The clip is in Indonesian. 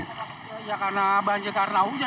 kalau hujan lagi pasti banjir lagi